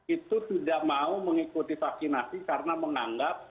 itu tidak mau mengikuti vaksinasi karena menganggap